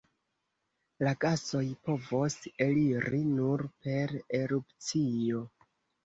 La gasoj povos eliri nur per erupcio.